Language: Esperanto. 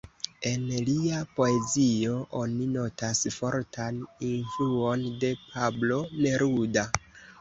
En lia poezio oni notas fortan influon de Pablo Neruda.